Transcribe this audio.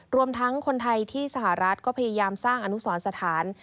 รวมทั้งคนไทยที่สหรัฐก็พยายามสร้างอนุสรสถาน